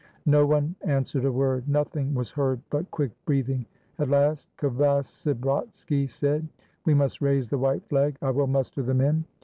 No one answered a word. Nothing was heard but quick breathing. At last Kvasibrotski said, "We must raise the white flag. I will muster the men."